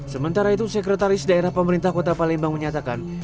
sementara itu sekretaris daerah pemerintah kota palembang menyatakan